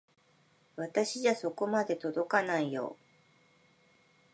私じゃそこまで届かないよ。